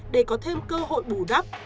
để có thêm cơ hội bù đắp